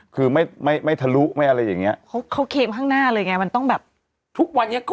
คือไม่ทะลุไม่อะไรอย่างนี้